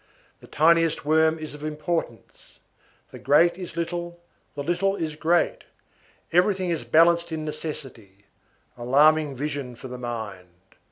The tiniest worm is of importance; the great is little, the little is great; everything is balanced in necessity; alarming vision for the mind.